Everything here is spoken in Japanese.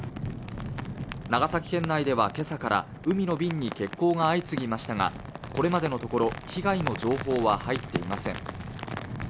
長崎県内ではけさから海の便に欠航が相次ぎましたがこれまでのところ被害の情報は入っていません